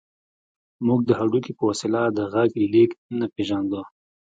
موږ د هډوکي په وسیله د غږ لېږد نه پېژانده